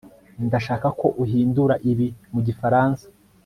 ndashaka ko uhindura ibi mu gifaransa